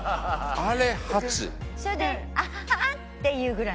それでアハハ！っていうぐらいなんだ？